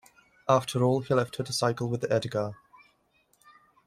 After all he left her to cycle with Edgar.